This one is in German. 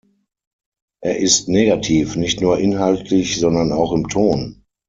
Er ist negativ, nicht nur inhaltlich, sondern auch im Ton.